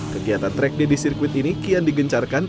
kegiatan track day di sirkuit ini kian digencarkan